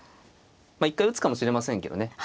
まあ一回打つかもしれませんけどね。